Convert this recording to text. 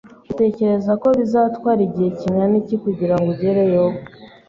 Utekereza ko bizatwara igihe kingana iki kugirango ugereyo?